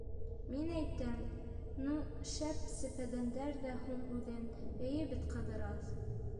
— Мин әйтәм, ну шәп сәпәгәндәр ҙә һуң үҙен, эйе бит, Ҡыҙырас?